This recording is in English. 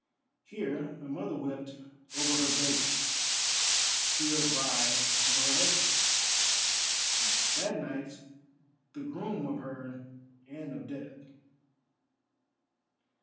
Here a mother wept over her babe, here a bride over her husband—that night the groom of her and of death.